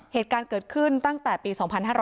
เหตุการณ์เกิดขึ้นตั้งแต่ปี๒๕๕๙